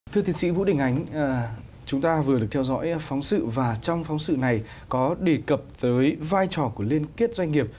thưa tiến sĩ vũ đình ánh chúng ta vừa được theo dõi phóng sự và trong phóng sự này có đề cập tới vai trò của liên kết doanh nghiệp